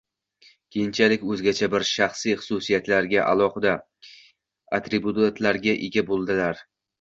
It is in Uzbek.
keyinchalik o‘zgacha bir shaxsiy xususiyatlarga, alohida atributlariga ega bo‘ldilar.